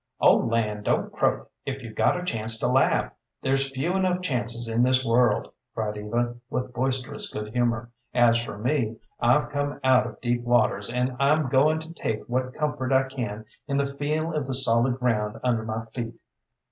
"Oh, land, don't croak, if you've got a chance to laugh! There's few enough chances in this world," cried Eva, with boisterous good humor. "As for me, I've come out of deep waters, and I'm goin' to take what comfort I can in the feel of the solid ground under my feet."